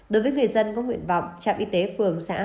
đối với người dân có nguyện vọng trạm y tế phường xã